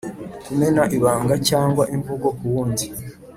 Kumena ibanga cyangwa imvugo ku wundi